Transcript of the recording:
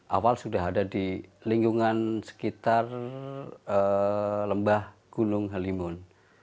awal sudah ada di lingkungan sekitar lembah gunung halimun